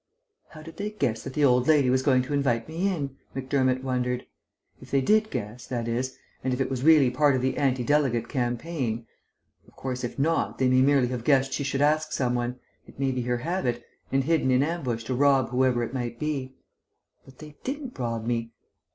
"How did they guess that the old lady was going to invite me in?" Macdermott wondered. "If they did guess, that is, and if it was really part of the anti delegate campaign. Of course, if not, they may merely have guessed she should ask some one (it may be her habit), and hidden in ambush to rob whoever it might be. But they didn't rob me....